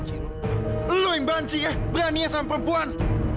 kamu yang bansi ya berani ya sama perempuan